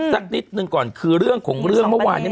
สักนิดหนึ่งก่อนคือเรื่องของเรื่องเมื่อวานเนี่ย